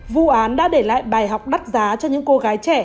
vụ án đã để lại bài học đắt giá cho những cô gái trẻ